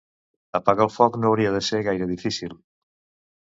Apagar un foc no hauria de ser gaire difícil.